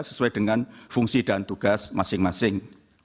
sesuai dengan fungsi dan tugas masing masing